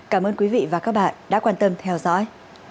cảm ơn quý vị và các bạn đã quan tâm theo dõi